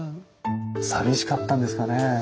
寂しかったんですかね。